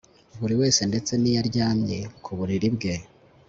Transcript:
buri wese, ndetse n'iyo aryamye ku buriri bwe